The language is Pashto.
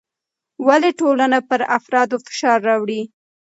ولې ټولنه پر افرادو فشار راوړي؟